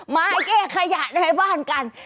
มาแยกขยะในบ้านกัน